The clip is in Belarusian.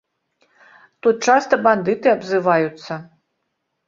Тут часта бандыты абзываюцца.